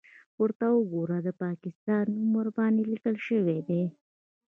_ورته وګوره! د پاکستان نوم ورباندې ليکل شوی دی.